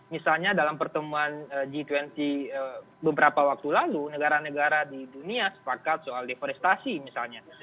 misalnya dalam pertemuan g dua puluh beberapa waktu lalu negara negara di dunia sepakat soal deforestasi misalnya